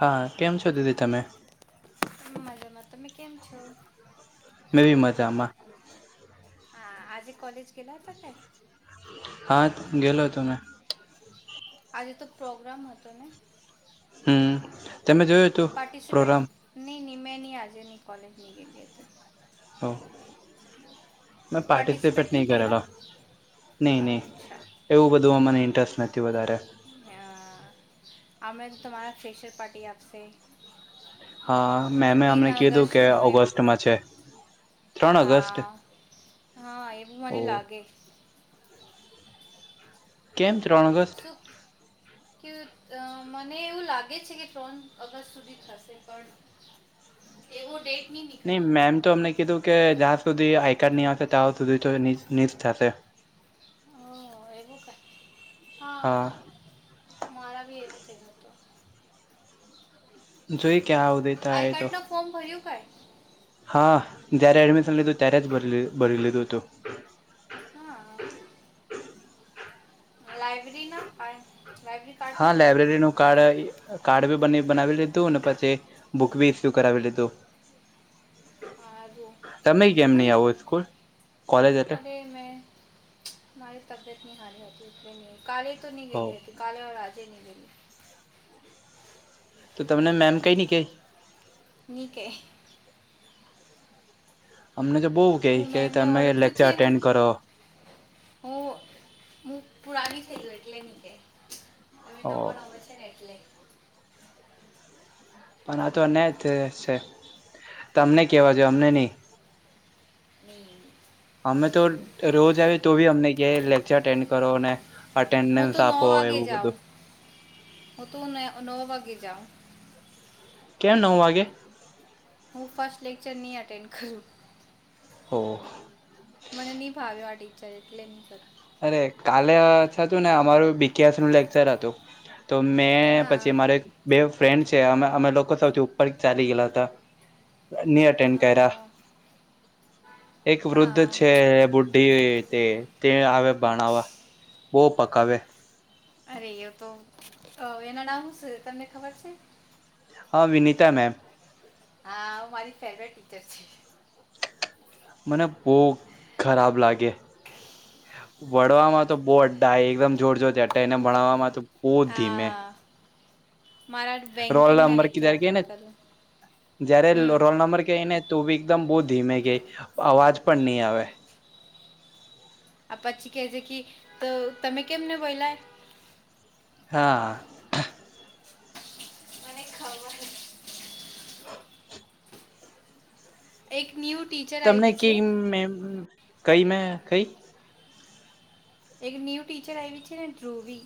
હા, કેમ છો દીદી તમે. હું મજામાં તમે કેમ છો? મે બી મજામાં. હા આજે કોલેજ ગેલા હતા કે [inaudible] હા ગેલો હતો મે આજે તો પ્રોગ્રામ હતો ને. હમ્મ તમે જોયો પાર્ટિસિપેટ ની નિમેનિયા આજે ની કોલેજની ગેગેલી હતી હઓ. મે પાર્ટિસિપેટ નહીં ની કર્યા કરેલો નઈ નઈ. અચ્છા એવું બધુંમાં મને ઇન્ટરેસ્ટ નથી વધારે. અને તમારા ફેશિયર પાર્ટી આપશે. હા મેમે તીન અમને કીધું કે ઓગસ્ટનો એ ઓગસ્ટમાં છે. ત્રણ ઓગસ્ટ હા હા એવું ઓ મને લાગે. કેમ ત્રણ ઓગસ્ટ.? ઠ મને એવું લાગે છે, કે ત્રણ ઓગસ્ટ સુધી થશે પણ એવો ડેટ નની નહીં મેમ તો અમને કીધું કે, જ્યાં સુધી આઈકાર્ડ નહીં આવશે ત્યાં સુધી તો ની થાશે. હ એવું ક હા મારા બી એવું થયું હતું. જોઈ ક્યાં આવું દી.? આઈકાર્ડનું ફોર્મ ભર્યું કે.? હા જ્યારે એડમિશન લીધું ત્યારે જ ભરી ભરી લીધું હતું. હા લાઈબ્રેરી ના લાઈબ્રેરી હા લાાયબ્રેરીનો કાર્ડ કાર્ડ બી બ બનાવી લીધું ને પછી, બુક બી ઇસ્યુ કરાવી લીધું. હારું તમે કેમ નહી આવો સ્કૂલ કોલેજ એ તો? મે તમારી તબિયતની હારી ની હોતી એલે ન કાલે તો ની હો ગેય હેતી. કાલે હ આજે ન ગેલી. તો તમને મેમ કઈ નહી કે.? ની કે. અમને તો બહુ કે હું કે તમે લેક્ચર એટેન્ડ કરો. હ હું પુરાની થઈ ગઈ એટલે ની કે. હવે ઓ નવો નવો છે ને એટલે. પણ આ તો છે. તમને કહેવા જોએ અમને નહીં. ન ની ની. અમે તો રોજ આવીએ તો બી અમને ક લેક્ચર એટેન્ડ કરો ને? હું અટેન્ડન્સ તો નવ આપો વાગે એવું જાઉં બધું. હું તું ન નો વાગ જાવ. કેમ નવ વાગે.? હું ફર્સ્ટ લેક્ચર નહી એટેન્ડ કરું. હ મને નહી ભાવ્યો આ ટીચર એટલે નહી તો, અરે કાલે હતું ને અમારું બીકેએસ નું લેક્ચર હતું. તો મેં પછી હા મારે એક બે ફ્રેન્ડ છે અમે અમે લોકો સૌથી ઉપર ચાલી ગયેલા હતા ની અ, એક વૃદ્ધ હા છે. તે તે આવે ભણાવવા બહુ પકાવે. અરે એ તો એના નામ શું છે તમને ખબર છે.? હા વિનતા મેૅમ. હા મારી ફેવરેટ ટીચર છે. મને બહુ ખરાબ લાગે. ભણવામાં તો બહુ એકદમ જોર જોરથી અ એને ભણાવવામાં તો બહુ ધીમે. હા મારા રોલ બેન્કિંગના નંબર લેક્ચર કધર કે ને એટેન્ડ કરે. જયારે રોલ નંબર કહી ને તું બી એકદમ બહુ ધીમે ક અવાજ પણ નહી આવે આ પછી કે છેે કે તો તમે કેમને બોલાય હા! ખાવા હ.? એક ન્યૂ ટીચર તમને આવી ક છે મે કઈ મે કઈ.? એક ન્યૂ ટીચર આવીઈ વિ છે ને ધ્રૂવી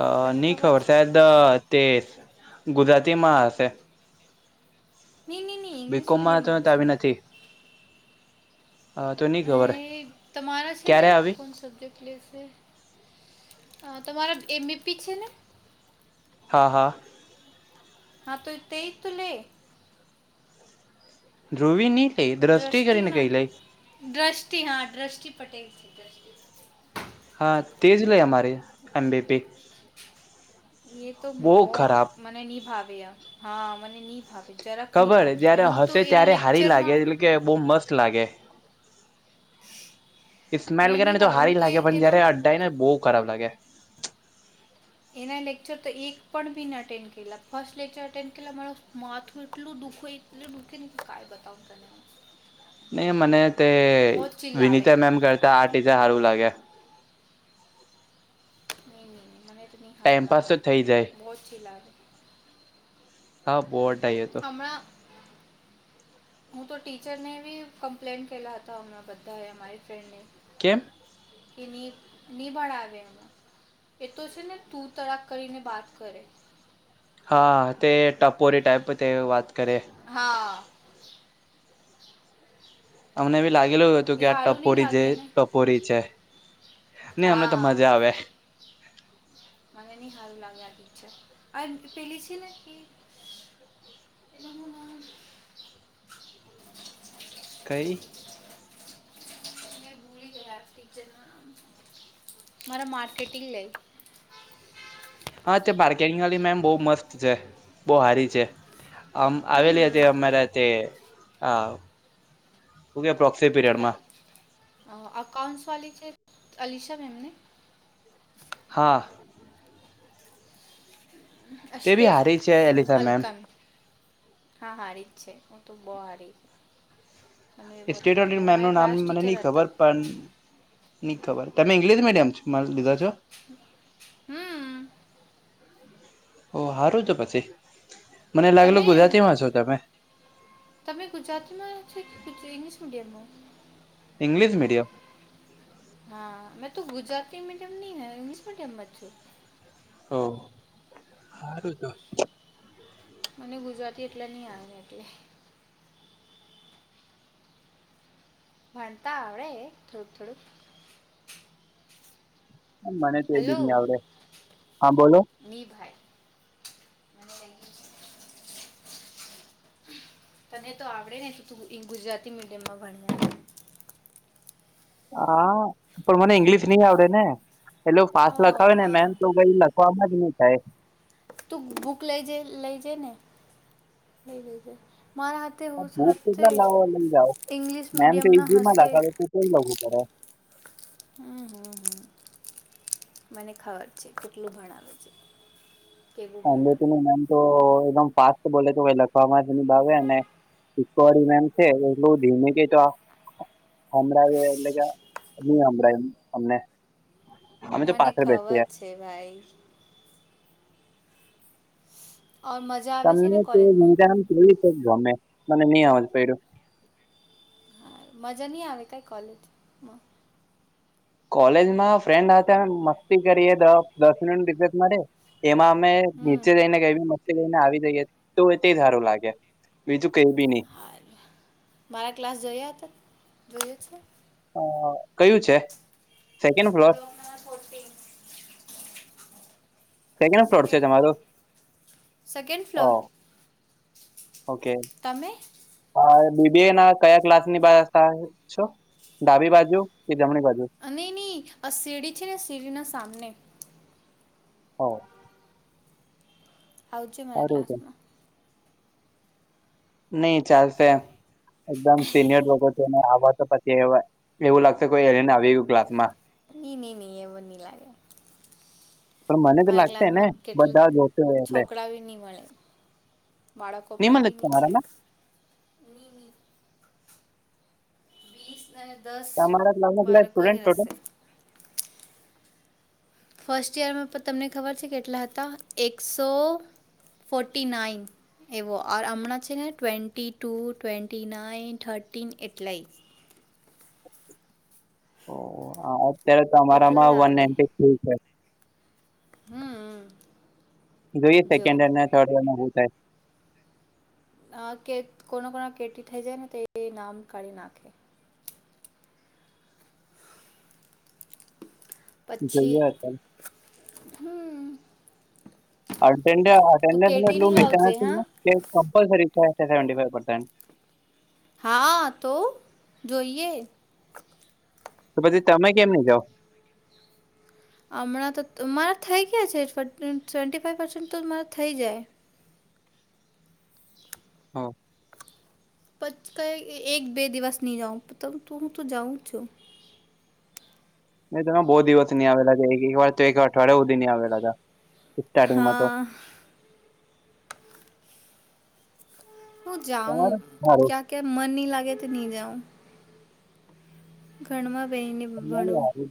અ ની ખબર સાહેબ દ તેસ ગુજરાતીમાં હશે નઈ નઈ નહી ઇંગ્લિશ બીકોમમાં તો મીડિયમમાં છે આવી નથી તો નહી એ ખબર તમારાા છે ને ક્યારે આવી કોણ સબ્જેક્ટ લેશે તમારા એમબપી છે ને હા હા હા તો તેઈ ત લ ધ્રુવી ની લે દ્રષ્ટિ કરીને કઈ લઈ દ્રષ્ટિ હા દ્રષ્ટિ પટેલ છે દ્રષ્ટિ હા તેજ લે અમારે એમબીપક એ તો બહુ બહ ખરાબ મને નિ ભાવ આ હા મ નિ ભાવ ખબર જયારે હસે ત્યારે હારી લાગે લેક્ચરમાં એટલે કે બહુ મસ્ત લાગે [inaudible] સ્મેલ મને કરે નહીં ને તો ભાવે હું હારી લાગે એ- પણ એના જયારે અડય ને બહુ ખરાબ લાગે એના લેક્ચર તો એક પણ બીને અટેન્ડ કરલા ફર્સ્ટ લેક્ચર એટેન્ડ કરલા માર માથું એટલું દુઃખ હોય અ મુુંકે ન કાય બતાવું તને હું. નહી મને તે બહુ જ ચિલ્લાવે વિનીતા મેમ કરતા આ ટીજા સારું લાગે નહીં નહી ન મને તો નં હારું ટાઈમપાસ તો લાગ્યા થઈ જાય બહુછી લાગ હા બોટાય હણા હું તો ટીચરને બી કમ્પ્લેન કેલા હતા હમણાં બધાએ અમારી ફ્રેન્ડને કેમ કે નિ નિ બળ આવેે એમાં એ તો છે ને તુંર તડાક કરીને બાત કરે હા તે ટપોરી ટાઈપ તે વાત કરે હા અમને બી લાગલું કે એ આ સારું નહીં ટપોરી જે લાગે ને ટપોરી છે ને અમને તો હા મજા આવે મને નઈ હારુ લાગે [unintelligible] એનું હું નામ [inaudible] કઈ મારા માર્કેટિંગ લે હા તે પાર્કેટિંગવાળી મેમ બહુ મસ્ત છે બહુ હારી છે આમ આવેલી હમ હતી અમારા તે ઓકે પ્ર્રોક્સ પીરિયડમાં અકાઉન્ટ્સ વા છે અલીશા મેૅમને હા તે બી [unintelligible] હારી છે એલિસા મેમ હા હારી જ છે હું તો બહુ હારીશ સ્ટેટ મે એમનું મારા નામ ક્લાસ મને ટીચર નહી ખબર હતા પણ નની ખબર તમે ઇંગ્લિશ મીડિયમ મારે લીધા છો હમ ઓ સારું છ પછી મને લાગેલ તમે ગુજરાતી માં છો તમે તમે ગુજરાતીમાં છે કે ઇંગ્લિશ મીડિયમમાં ઇ્લિશ મીડયમ હા મેં તો ગુજરાતી મીડિયમની ઇંગ્લિશ મીડિયમમાં છું હ હાર તો મને ગુજરાતી એટલે નહ આવે એટલે ભણતા આવડે થોડુંક થોડુંક મને તો એ બી નહી આવડે હા બોલો નિની ભાઈ તને તો આવડે ને તું ગુજરાતી મીડિયમમાં ભણને હા પણ મને ઈંગ્લિશ નહી આવડે ને એટલે ફાસ્ટ ઓ લખાવે ને મેન હા તો કઈ લખવામાં જ નહી થાય તું બુક લઈ જ લઈ જે ને લઈ લઈજ મારા હા બુક કેટલા લાવો લઈ જાવ ઇંગ્લિશ મેમ તો મીડિયમના ઈઝમાં હશે લખાવે તો તો લખું કરે હમ હમ હમ મને ખબર છે કેટલું ભણાવે છે કેવું અબટી નું ભણાવે નામ તો એકદમ ફાસ્ટ બોલે તો લખવામાં ભાવેને ઈકો વાડી મેમ છે એટલું ધીમે કતો સંભળાય એટલે કે નહી સંભળાય અમને અમે તો મને પાછળ ખબર બેસીએ છે ભાઈ મજ તમને તે વિધામ જોઈ ગમે મને નહી આવજ પ્યું હા મજા નહીં આવે કઈ કોલેજમાં કોલેજમાં ફ્રેન્ડ હતા મસ્તી કરીએ દસ મિનિટ રિઝટ મળે એમાં અમે નીચે હમ જઈને મસ્તી કરીને આવી જઈએ તો તે સારું લાગે બીજું કઈ બી નહી હારું મારા ક્લાસ જોઈ હતા જોઈ જ છેું હ કયું છે સેકન્ડ ફ્લોર પોતેી [inaudible] સેકન્ડ ફ્લોર છે તમારો સેકન્ડ અ ફ્લોર તમે હા બીબી એ ના કયા ક્લાસની બાર છો ડાબી બાજુ કે જમણી બાજુ અને નહી આ શીડી છે ને શીડીના સામને હ આવજો મારા સારું છે ક્લાસમાં નઈ ચાલશે એકદમ સિનિયર લોકો છેને આવવા તો પછી એવા એવું લાગત કોઈ એલેને આવી ગયું ક્લાસમાં નઈ નહી નહી એવ નહી લાગે પણ મને તો મારા લાગશે ને ક્લાસમાં કેટલાક બધા જોશે એટલે છોકરા બી નહી મળે બાળકો નહી પણ મલે બી તમારામાં ની વીસ અનેન દસ તમારા ક્લાસમાં કેટલા સ્ટુડન્ટ ટોટલ? બાાડકોનીરશે ફર્સ્ટ યરમાં પણ તમને ખબર છે કેટલા હતા એકસો ફોટી નાઇન એવો આર હમણાં છે ને twenty two twenty nine thirteen એટલેય ઓ અત્યારે એટલા તમારામાં જ વન આવે નાઇન્ટી થ્રી છે હમ જોઈએ જો સેકન્ડ હર થર્ડ હર ના શ થાય આ કે કોના કોના કેટી થઇ જાય ને તે નામ કાઢી નાખે પક્ જોઈએ અત્યારે. હમ તું કેટી નહીં લાવજે હા રી [inaudible] હા તો જોઈએ તો પછી તમે કેમને જાઓ હમણાં તો મારા થઈ ગયા છે સ્વેન્ટી ફાઇવ પર્સન્ટ તો જ મારા થઈ જાય હા [unintelligible] એક બે દિવસ નહી [inaudible] તો જાઉં છું. ન તોમાં બહુ દિવસ ની આવેલા છે એક એક વાર તો એક વાર અઠવાડિયા સુધી નહી આવેલા હતા સ્ટાર્ટિંગમાં તો હા હું જાઉં તમારું હારું ક્યાં કે મન નહ લાગે તો નહી જાઉં ઘમાં બેને ું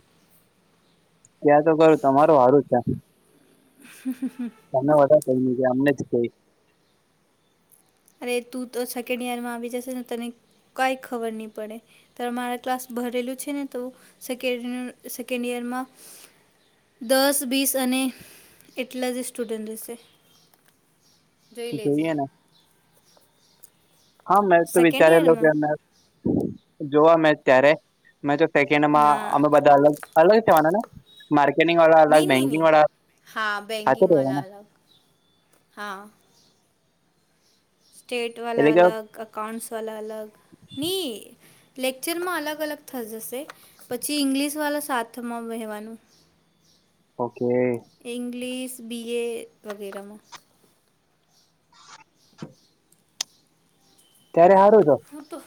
ત્યાં તો કરું તમારું સારું છે [inaudible] તને [unintelligible] કઈ અમને જ કઈ અરે તું તો સેકન્ડ ઈયરમાં આવી જશે ને તને કઈ ખબર નહી પડે. ત્યારે મારા ક્લાસ ભરેલું છે, ને તો [unintelligible] સેકન્ડ ઈયરમાં. દસ બીસ અને એટલા જ સ્ટુડન્ટ છે. જોઈ લેજે. જોઈએ ને હા મેં તો સેકન્ડ વિચારી [unintelligible] કે યરમાં અમે જોવા મે ત્યારે. મેં તો સેકન્ડ માં હા અમે બધા અલગ અલગ થવાના ને. [unintelligible] વાળા અલગ નહીં નહીં બેંકિંગ નહીં વાળા હા હા. સ્ટેટ વાળ એટલે કે અલગ અકાઉન્ટસ વાળ અલગ લેક્ચરમાં અલગ અલગ [unintelligible] જશે પછી ઈંગ્લિશ વાળા સાથમાં વહેવાનું. ઓકે. English B A વગેરમાં. [inaudible] ત્યારે હારું છો. હું તો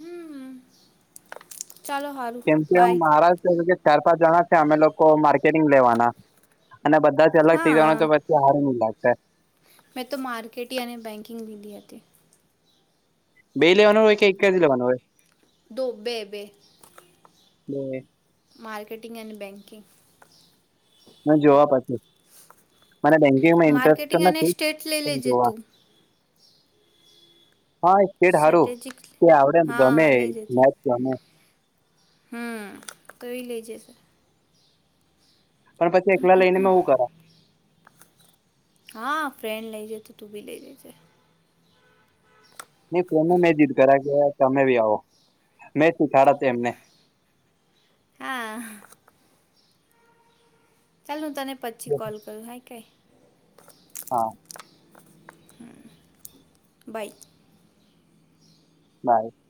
[unintelligible] ચાલો હાર કેમ કે એમ [unintelligible] કે ચાર પાંચ જણા છે, અમે લોકો માર્કેટિંગ લેવાના. અને બધા જ અલગ થઇ જવાના હા તો [unintelligible] હારું [unintelligible] મેં તો માર્કેટી અને બેન્કિંગ લીધી હતી. [unintelligible] હોય કે એક જ [unintelligible] હોય. [unintelligible] બે હોય માર્કેટિંગ એન બેંકિંગ. જોવા પછી મને બેંકિંગમાં ઇન્ટરેસ્ટ માર્કેટિંગ અને સ્ટેટ લઈ તો લેજે જોવા. તું હા [unintelligible] સારું સ્ટ્રેટેજિક તે આવડેમ ગમે હા લઈ જજે [unintelligible] ગમે. હમ [unintelligible] લેજે. પણ પછી એકલા લઈને મેં [unintelligible] કરા. હા ફ્રેન્ડ લઈ જે તો તું ભી લઈ જેજે. [unintelligible] કરા કે તમે બી આવો મેંથી [unintelligible] એમને. હા. ચાલ હું તને પછી કોલ કરું હા કઈ. હા બાઇ. [inaudible]